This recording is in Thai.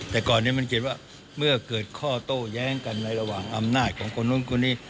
แต่ก่อนนี้มันเขียนว่าเมื่อเกิดข้อโต้แย้งกันในระหว่างอำนาจของคนนู้นคนนี้